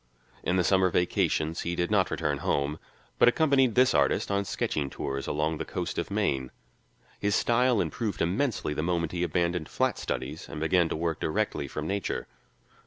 In the summer vacations he did not return home, but accompanied this artist on sketching tours along the coast of Maine. His style improved immensely the moment he abandoned flat studies and began to work directly from Nature.